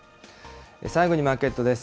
最後にマーケットです。